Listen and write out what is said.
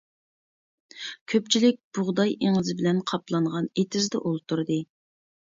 كۆپچىلىك بۇغداي ئېڭىزى بىلەن قاپلانغان ئېتىزدا ئولتۇردى.